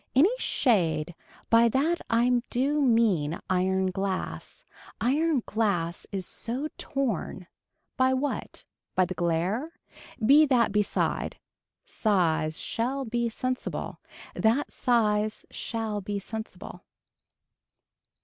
Any shade, by that I do mean iron glass. Iron glass is so torn. By what. By the glare. Be that beside. Size shall be sensible. That size shall be sensible.